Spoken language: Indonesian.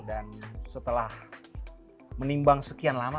dan setelah menimbang sekian lama